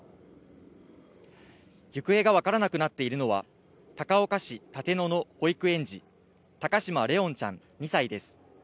行方がわからなくなっているのは高岡市立野の保育園児・高嶋怜音ちゃん、２歳です。